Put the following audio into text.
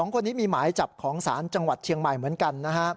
๒คนนี้มีหมายจับของศาลจังหวัดเชียงใหม่เหมือนกันนะฮะ